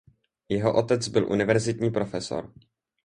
Jeho otec byl univerzitní profesor.